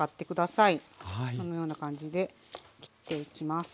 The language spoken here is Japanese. このような感じで切っていきます。